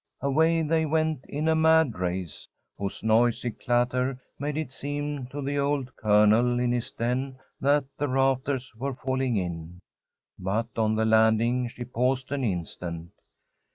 '" Away they went in a mad race, whose noisy clatter made it seem to the old Colonel in his den that the rafters were falling in. But on the landing she paused an instant.